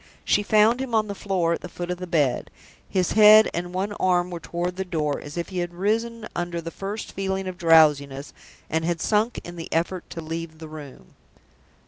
She found him on the floor at the foot of the bed: his head and one arm were toward the door, as if he had risen under the first feeling of drowsiness, and had sunk in the effort to leave the room.